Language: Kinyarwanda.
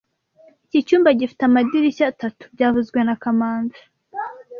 Iki cyumba gifite amadirishya atatu byavuzwe na kamanzi